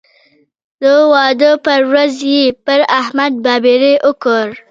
د واده پر ورځ یې پر احمد بابېړۍ وکړ.